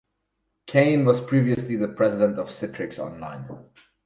Caine was previously the president of Citrix Online.